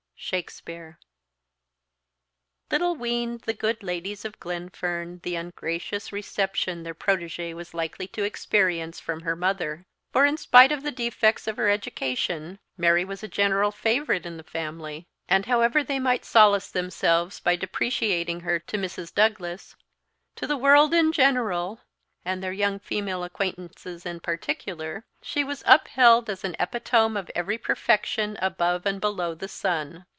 SHAKESPEARE. LITTLE weened the good ladies of Glenfern the ungracious reception their protégée was likely to experience from her mother; for, in spite of the defects of her education, Mary was a general favourite in the family; and however they might solace themselves by depreciating her to Mrs. Douglas, to the world in general, and their young female acquaintances in particular, she was upheld as an epitome of every perfection above and below the sun.